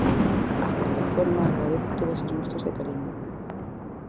A Plataforma agradece todas as mostras de cariño.